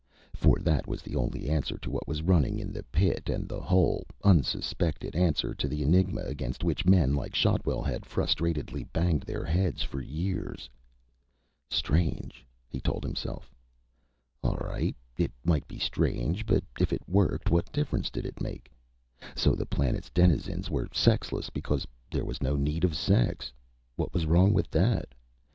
For that was the only answer to what was running in the pit and the whole, unsuspected answer to the enigma against which men like Shotwell had frustratedly banged their heads for years. Strange, he told himself. All right, it might be strange, but if it worked, what difference did it make? So the planet's denizens were sexless because there was no need of sex what was wrong with that?